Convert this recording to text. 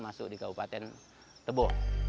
masuk di kabupaten tebo